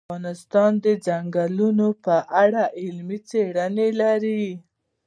افغانستان د ځنګلونه په اړه علمي څېړنې لري.